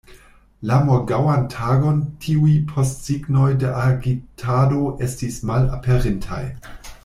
La morgaŭan tagon tiuj postsignoj de agitado estis malaperintaj.